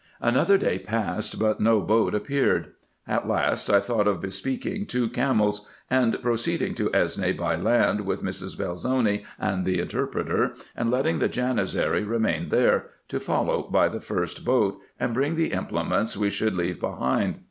Another day passed, but no boat appeared. At last I thought of bespeaking two camels, and proceeding to Esne by land, with Mrs. Belzoni and the interpreter, and letting the Janizary remain there, to follow by the first boat, and bring the implements we should leave behind.